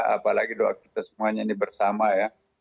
apalagi doa kita semuanya ini bersama ya